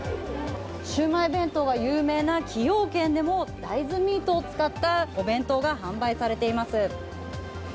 シウマイ弁当が有名な崎陽軒でも、大豆ミートを使ったお弁当が販売されています。